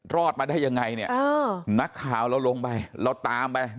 รอดมาได้ยังไงเนี้ยเออนักข่าวเราลงไปเราตามไปนะฮะ